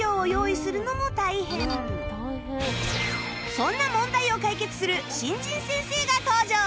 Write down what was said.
そんな問題を解決する新人先生が登場！